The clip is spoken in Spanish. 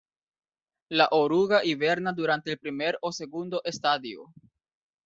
La oruga hiberna durante el primer o segundo estadio.